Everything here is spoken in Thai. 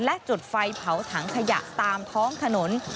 และจุดไฟเผาถังขยะตามท้องถนน